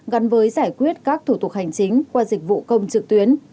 gắn với giải quyết các thủ tục hành chính qua dịch vụ công trực tuyến